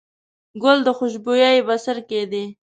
ګل د خوشبويي بڅرکی دی.